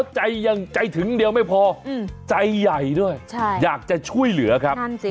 ใจยังใจถึงเดียวไม่พอใจใหญ่ด้วยอยากจะช่วยเหลือครับ